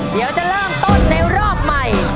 เดี๋ยวจะเริ่มต้นในรอบใหม่